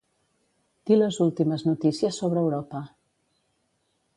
Dir les últimes notícies sobre Europa.